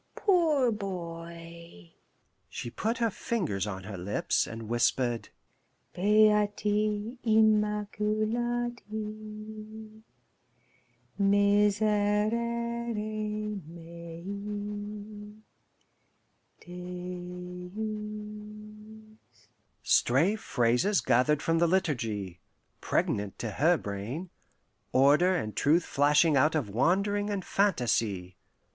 poor boy!" She put her fingers on her lips, and whispered, "Beati immaculati miserere mei, Deus," stray phrases gathered from the liturgy, pregnant to her brain, order and truth flashing out of wandering and fantasy.